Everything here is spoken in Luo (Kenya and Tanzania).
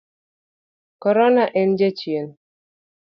Korona en jachien.